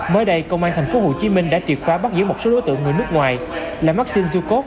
mới đây công an tp hcm đã triệt phá bắt giữ một số đối tượng người nước ngoài là maxing zucov